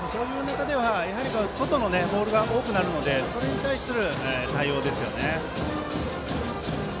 やはり外のボールが多くなるのでそれに対する対応ですよね。